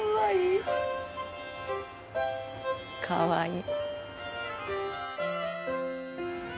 かわいい。